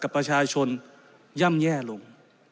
ประชาชนย่ำแย่ลง